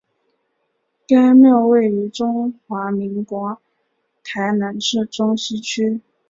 该庙位于中华民国台南市中西区。